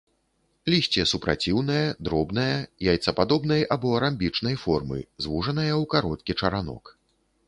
Лісце супраціўнае, дробнае, яйцападобнай або рамбічнай формы, звужанае ў кароткі чаранок.